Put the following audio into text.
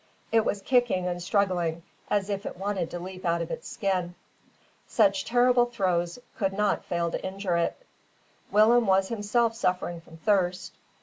It was kicking and struggling as if it wanted to leap out of its skin. Such terrible throes could not fail to injure it. Willem was himself suffering from thirst.